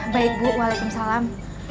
baik bu waalaikumsalam